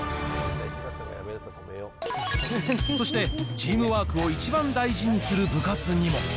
そして、チームワークをイチバン大事にする部活にも。